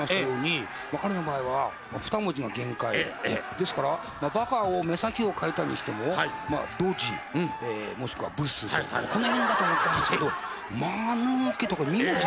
ですから「バカ」を目先を変えたにしても「ドジ」もしくは「ブス」とかこの辺だと思ったんですけど「間抜け」とこれ３文字。